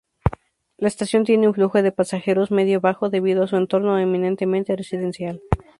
La estación tiene un flujo de pasajeros medio-bajo debido a su entorno eminentemente residencial.